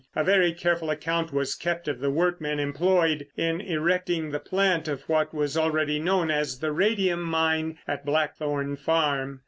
A very careful account was kept of the workmen employed in erecting the plant of what was already known as the radium mine at Blackthorn Farm.